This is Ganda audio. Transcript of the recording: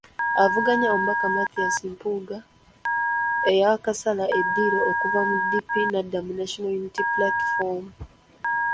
Avuganya Omubaka Mathias Mpuuga eyaakasala eddiiro okuva mu DP n'adda mu National Unity Platform.